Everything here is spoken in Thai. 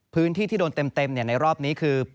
พื้นที่ที่โดนเต็มในรอบนี้คือ